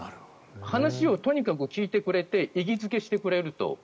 話をとにかく聞いてくれて意義付けしてくれると。